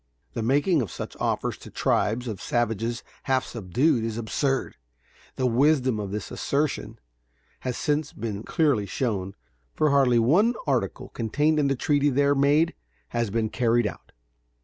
The making of such offers to tribes of savages half subdued is absurd. The wisdom of this assertion has since been clearly shown, for hardly one article contained in the treaty there made has been carried out.